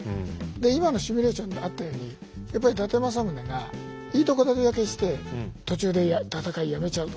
今のシミュレーションであったようにやっぱり伊達政宗がいいとこ取りだけして途中で戦いやめちゃうとかね。